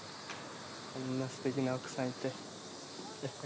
こんなすてきな奥さんいて。